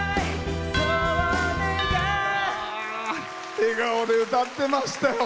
笑顔で歌ってましたよ。